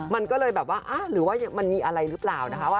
มันก็เลยแบบว่าหรือว่ามันมีอะไรหรือเปล่านะคะ